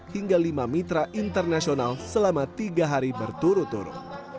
hingga lima mitra internasional selama tiga hari berturut turut